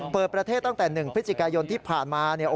เปิดประเทศตั้งแต่๑พฤศจิกายนที่ผ่านมา